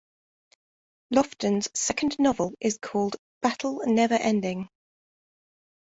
Lofton's second novel is called "Battle Neverending".